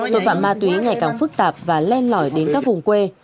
tội phạm ma túy ngày càng phức tạp và len lỏi đến các vùng quê